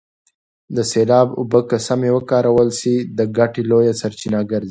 د سیلاب اوبه که سمې وکارول سي د ګټې لویه سرچینه ګرځي.